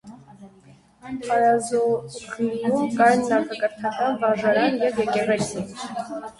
Արազօղլիում կար նախակրթական վարժարան և եկեղեցի։